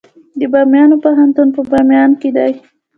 د بامیان پوهنتون په بامیان کې دی